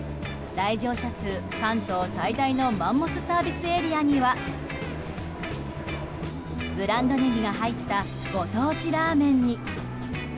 来場者数、関東最大のマンモスサービスエリアにはブランドネギが入ったご当地ラーメンに。